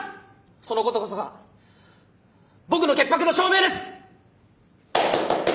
そのことこそが僕の潔白の証明です！